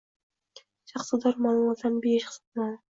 shaxsga doir ma’lumotlarni berish hisoblanadi.